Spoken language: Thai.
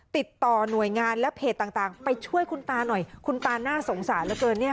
ติดต่อหน่วยงานและเพจต่างไปช่วยคุณตาหน่อยคุณตาน่าสงสารเหลือเกิน